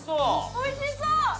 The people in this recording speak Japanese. おいしそう。